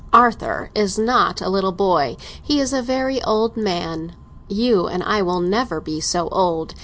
"Arthur is not a little boy; he is a very old man; you and I will never be so old.